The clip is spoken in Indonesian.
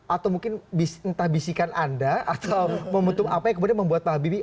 atau mungkin entah bisikan anda atau momentum apa yang kemudian membuat pak habibie